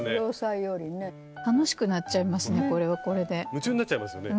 夢中になっちゃいますよね。